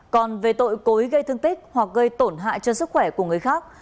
còn về tội cối gây thương tích hoặc gây tổn hại cho sức khỏe của người khác